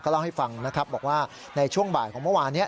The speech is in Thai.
เล่าให้ฟังนะครับบอกว่าในช่วงบ่ายของเมื่อวานนี้